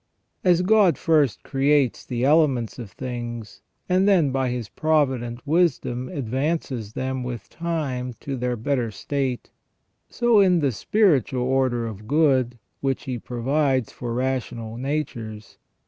As God first creates the elements of things, and then by His provident wisdom advances them with time to their better state ; so in the spiritual order of good which He provides for rational natures.